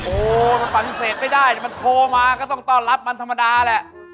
โอ่สวัสดีก็ไม่ได้ถ้ามันโทรมาก็ต้องต้องต้อนรับบันธรรมดาแหละ